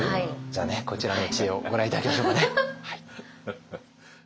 じゃあこちらの知恵をご覧頂きましょうかね。